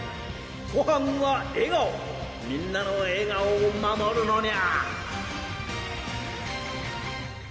ごはんは笑顔みんなの笑顔を守るのにゃ！